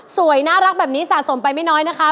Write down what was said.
สวยน่ารักแบบนี้สะสมไปไม่น้อยนะคะ